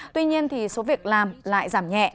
tuy nhiên thì số việc làm lại giảm nhẹ